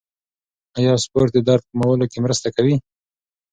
آیا سپورت د درد کمولو کې مرسته کوي؟